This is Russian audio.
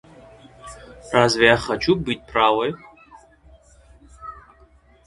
Разве я хочу быть правой!